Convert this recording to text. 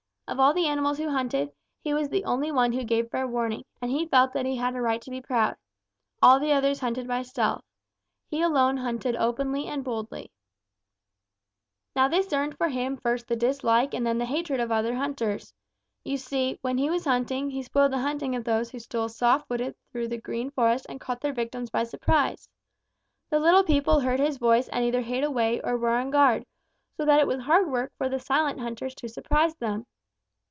Of all the animals who hunted, he was the only one who gave fair warning, and he felt that he had a right to be proud. All the others hunted by stealth. He alone hunted openly and boldly. [Illustration: "Old King Bear, who was king no longer, would growl a deep, rumbly grumbly growl." Page 66.] "Now this earned for him first the dislike and then the hatred of the other hunters. You see, when he was hunting, he spoiled the hunting of those who stole soft footed through the Green Forest and caught their victims by surprise. The little people heard his voice and either hid away or were on guard, so that it was hard work for the silent hunters to surprise them.